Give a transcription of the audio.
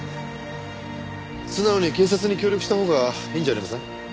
素直に警察に協力したほうがいいんじゃありません？